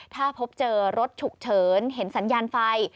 ถ้าพบเจอรถฉุกเฉินเห็นสัญญาณไฟ